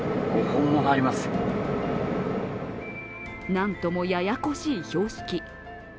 なんとも、ややこしい標識。